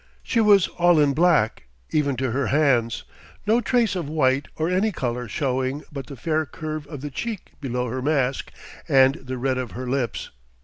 She was all in black, even to her hands, no trace of white or any colour showing but the fair curve of the cheek below her mask and the red of her lips.